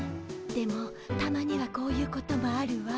でもたまにはこういうこともあるわ。